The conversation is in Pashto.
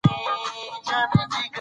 مور په کور کې سابه کري.